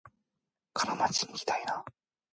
金町にいきたいな